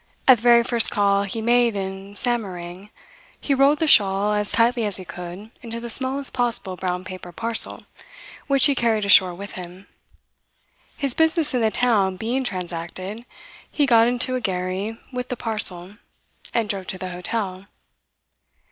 At the very first call he made in Samarang he rolled the shawl as tightly as he could into the smallest possible brown paper parcel, which he carried ashore with him. His business in the town being transacted, he got into a gharry with the parcel and drove to the hotel.